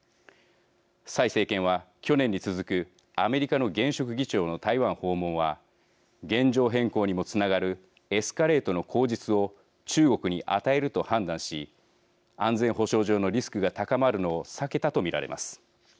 蔡政権は、去年に続くアメリカの現職議長の台湾訪問は現状変更にもつながるエスカレートの口実を中国に与えると判断し安全保障上のリスクが高まるのを避けたと見られます。